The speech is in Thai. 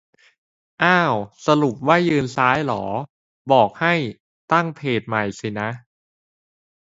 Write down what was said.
อ้าว สรุปว่ายืนซ้ายเหรอ บอกให้ ตั้งเพจใหม่สินะ